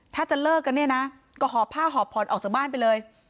ถ้าจะเลิกกันเนี่ยนะก็หอบผ้าหอบผ่อนออกจากบ้านไปเลย